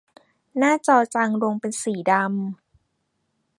หน้าจอจางลงเป็นสีดำ